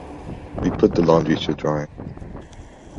We put the laundry to dry.